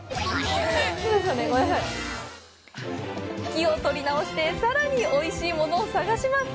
気を取り直してさらにおいしいものを探します。